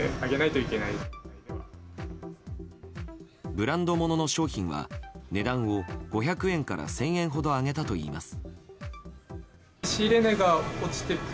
ブランド物の商品は、値段を５００円から１０００円ほど上げたといいます。